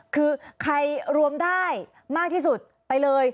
คือใครรวมได้มากที่สุดไปเลย